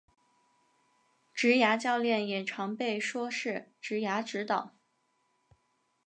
职涯教练也常被说是职涯指导。